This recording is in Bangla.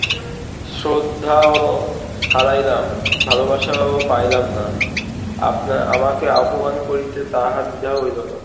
শ্রদ্ধাও হারাইলাম, ভালোবাসাও পাইলাম না, আমাকে অপমান করিতে তাহার দ্বিধাও হইল না?